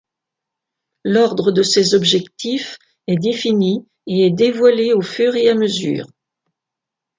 L'ordre de ces objectifs est défini, et est dévoilé au fur et à mesure.